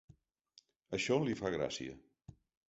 Això li fa gràcia.